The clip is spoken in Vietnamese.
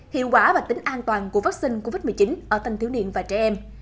hiệu quả và tính an toàn của vaccine covid một mươi chín ở thanh thiếu niên và trẻ em